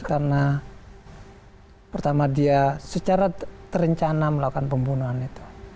karena pertama dia secara terencana melakukan pembunuhan itu